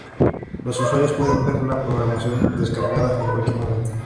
Los usuarios pueden ver la programación descargada en cualquier momento.